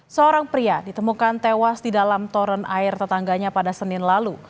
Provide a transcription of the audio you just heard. seorang pria ditemukan tewas di dalam toren air tetangganya pada senin lalu